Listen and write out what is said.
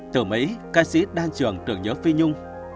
từ mấy ca sĩ đan trường tưởng nhớ phi nhung